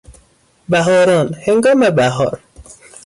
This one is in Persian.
بهاران، هنگام بهار